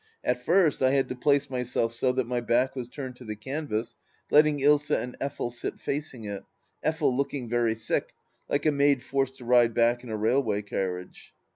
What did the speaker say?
At first I had to place myself so that my back was turned to the canvas, letting Ilsa and Effel sit facing it, Effel looking very sick, like a maid forced to ride back in a railway carriage.